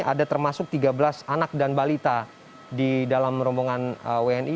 ada termasuk tiga belas anak dan balita di dalam rombongan wni